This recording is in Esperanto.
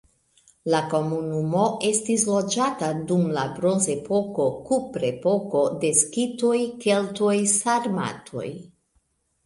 La komunumo estis loĝata dum la bronzepoko, kuprepoko, de skitoj, keltoj, sarmatoj.